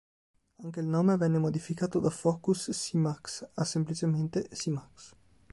Anche il nome venne modificato da Focus C-Max, a semplicemente C-Max.